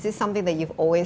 saya mendengar bahwa